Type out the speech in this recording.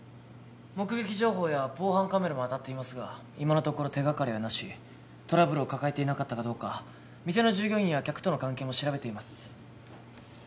目撃情報や防犯カメラも当たっていますが今のところ手がかりはなしトラブルを抱えていなかったかどうか店の従業員や客との関係も調べています